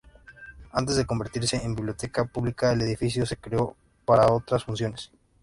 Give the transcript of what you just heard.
Antes de convertirse en biblioteca pública el edificio se creó para otras funciones.